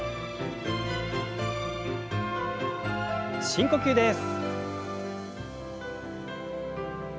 深呼吸です。